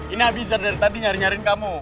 ini abisar dari tadi nyari nyariin kamu